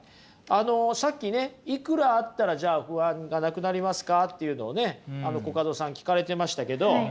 あのさっきねいくらあったらじゃあ不安がなくなりますかっていうのをねコカドさん聞かれてましたけど。